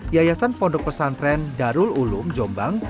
yayasan pondok pesantren darul ulum jombang